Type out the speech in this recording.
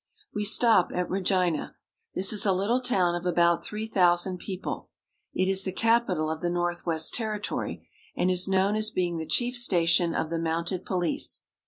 We stop at Regina. This is a little town of about three thousand people. It is the capital of the Northwest Ter ritory, and is noted as being the chief station of the mounted police.